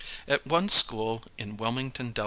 At one school in Wilmington. Del.